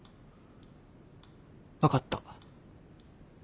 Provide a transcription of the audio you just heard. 分かった。